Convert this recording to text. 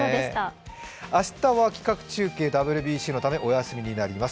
明日は企画中継ＷＢＣのためお休みになります。